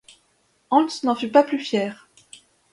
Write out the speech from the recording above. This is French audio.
Hans n’en fut pas plus fier.